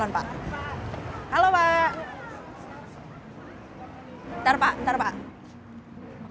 bentar pak bentar pak